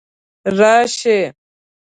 راشي